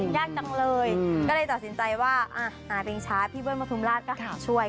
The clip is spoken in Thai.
ยากจังเลยก็เลยตัดสินใจว่าหาเพลงช้าพี่เบิ้ลประทุมราชก็ช่วย